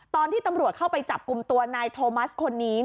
ตอนที่ตำรวจเข้าไปจับกลุ่มตัวนายโทมัสคนนี้